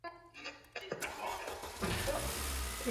au angalau waepuke kusumbuliwa na mamlaka husika